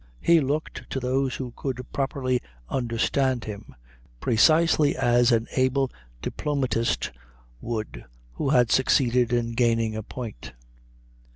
He looked, to those who could properly understand him, precisely as an able diplomatist would who had succeeded in gaining a point.